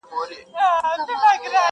دا هم ستا له ترجمان نظره غواړم.